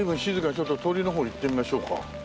ちょっと通りの方に行ってみましょうか。